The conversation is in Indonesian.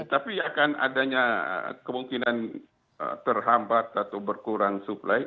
tapi akan adanya kemungkinan terhambat atau berkurang suplai